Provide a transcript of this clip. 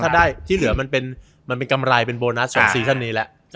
ถ้าได้ที่เหลือมันเป็นกำไรเป็นโบนัสของซีซั่นนี้แล้ว